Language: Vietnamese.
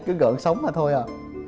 cứ gợn sống mà thôi à